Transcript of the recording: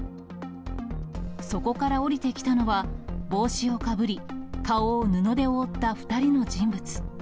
そこから降りてきたのは、帽子をかぶり、顔を布で覆った２人の人物。